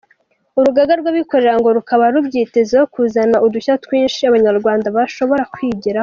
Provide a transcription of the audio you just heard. Urugaga rw’abikorera ngo rukaba rubyitezeho kuzana udushya twinshi Abanyarwanda bashobora kwigiraho.